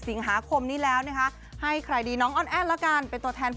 สิงหาคมนี้แล้วนะคะให้ใครดีน้องอ้อนแอ้นละกันเป็นตัวแทนผู้